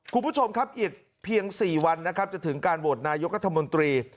คุณผู้ชมครับอีกเพียง๔วันนะครับจะถึงการโหวตนายกรัฐมนตรี